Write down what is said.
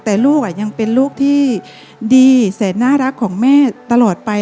แต่ลูกยังเป็นลูกที่ดีแสนน่ารักของแม่ตลอดไป